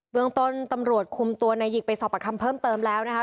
เมืองต้นตำรวจคุมตัวนายหยิกไปสอบประคำเพิ่มเติมแล้วนะคะ